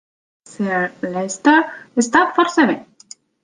Sir Leicester està força bé.